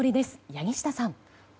柳下さん。